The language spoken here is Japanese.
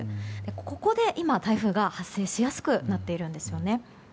ここで今、台風が発生しやすくなっているんですね。